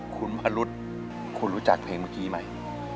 คุณอรุษคุณรู้จักเพลงเมื่อกี้ไหม